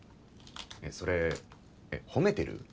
それほめてる？